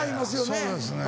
そうですね。